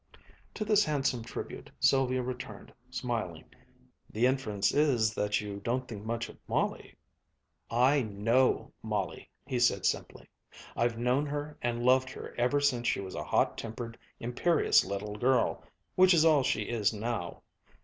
To this handsome tribute Sylvia returned, smiling, "The inference is that you don't think much of Molly." "I know Molly!" he said simply. "I've known her and loved her ever since she was a hot tempered, imperious little girl which is all she is now.